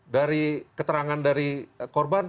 dari keterangan dari korban